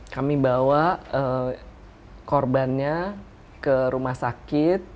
kami bawa korbannya ke rumah sakit